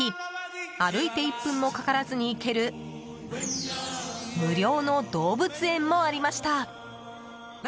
歩いて１分もかからずに行ける無料の動物園もありました。